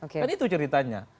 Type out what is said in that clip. kan itu ceritanya